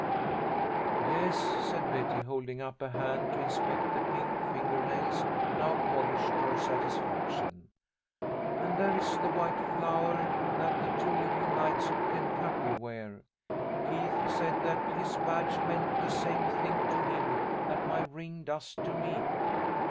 "Yes," said Betty, holding up a hand to inspect the pink finger nails now polished to her satisfaction. "And there is the white flower that the two little Knights of Kentucky wear. Keith said that his badge meant the same thing to him that my ring does to me.